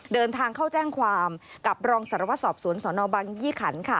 เดินทางเข้าแจ้งความกับรองสารวัตรสอบสวนสนบังยี่ขัน